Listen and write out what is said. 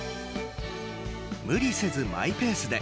無理せずマイペースで。